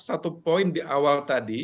satu poin di awal tadi